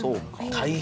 大変。